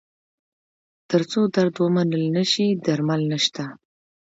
تر څو درد ومنل نه شي، درمل نشته.